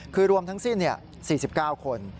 คือรวมทั้งสิ้น๔๙คน